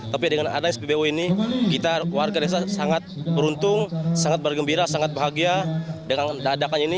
tapi dengan ada spbu ini kita warga desa sangat beruntung sangat bergembira sangat bahagia dengan dadakan ini